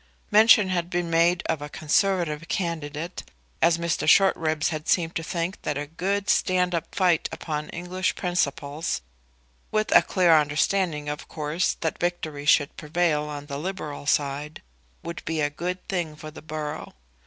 Mention had been made of a Conservative candidate, and Mr. Shortribs had seemed to think that a good stand up fight upon English principles, with a clear understanding, of course, that victory should prevail on the liberal side, would be a good thing for the borough.